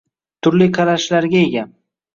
Turli qarashlarga ega